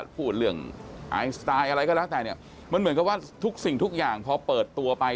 พูดเรื่องไอสไตล์อะไรก็แล้วแต่เนี่ยมันเหมือนกับว่าทุกสิ่งทุกอย่างพอเปิดตัวไป